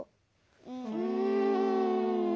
うん。